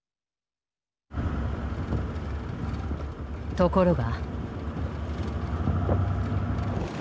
ところが。